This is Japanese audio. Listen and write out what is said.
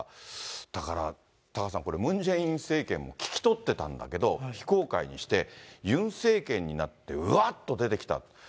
だから、タカさん、これ、ムン・ジェイン政権も聞き取ってたんだけど、非公開にして、ユン政権になってうわっと出てきた。